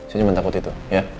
saya cuma takut itu ya